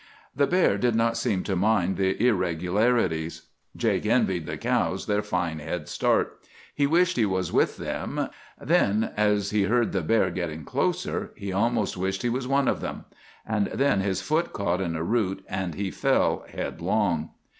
The bear did not seem to mind the irregularities. "Jake envied the cows their fine head start. He wished he was with them; then, as he heard the bear getting closer, he almost wished he was one of them; and then his foot caught in a root and he fell headlong.